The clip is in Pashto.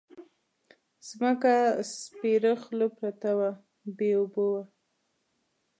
ځمکه سپېره خوله پرته وه بې اوبو وه.